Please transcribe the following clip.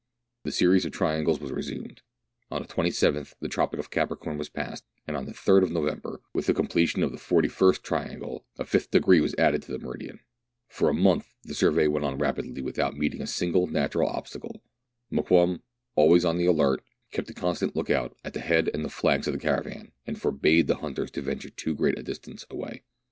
The series of triangles was resumed. On the 37th the tropic 156 meridiana; the adventures of of Capricorn was passed, and on the 3rd of November, with the completion of the forty first triangle, a fifth degree was added to the meridian. For a month the survey went on rapidly, without meeting a single natural obstacle. Mokoum, always on the alert, kept a constant look out at the head and flanks of the caravan, and forbade the hunters to venture too great a distance away.